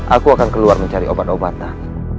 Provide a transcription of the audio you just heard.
aku akan keluar mencari obat obatan